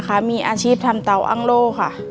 อาชีพทำเตาอังโลค่ะ